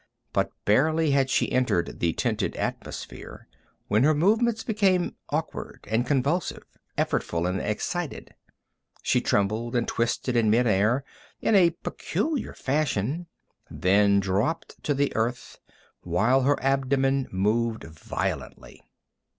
But barely had she entered the tinted atmosphere when her movements became awkward and convulsive, effortful and excited. She trembled and twisted in mid air in a peculiar fashion, then dropped to the earth, while her abdomen moved violently.